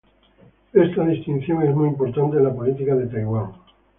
Esta distinción es muy importante en la política de Taiwán.